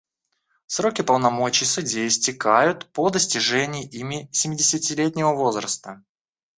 Сроки полномочий судей истекают по достижении ими семидесятилетнего возраста.